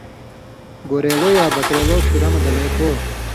گورېلو یا بکرېلو ڇھیرہ مہ گلے پو۔